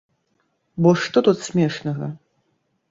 Бо што тут смешнага?